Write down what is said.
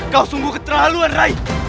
kau sungguh keterlaluan ray